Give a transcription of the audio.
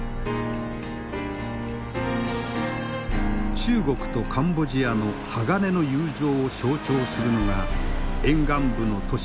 中国とカンボジアの鋼の友情を象徴するのが沿岸部の都市